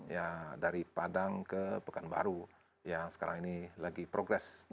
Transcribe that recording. ya dari padang ke pekanbaru yang sekarang ini lagi progres